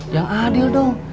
yang adil dong